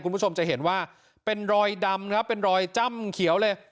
คุณผู้ชมจะเห็นว่าเป็นรอยดำครับเป็นรอยจ้ำเขียวเลย